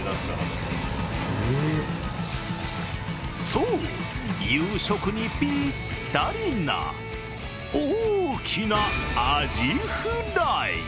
そう、夕食にぴったりな大きなアジフライ。